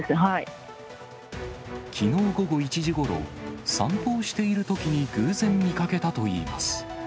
きのう午後１時ごろ、散歩をしているときに偶然、見かけたといいます。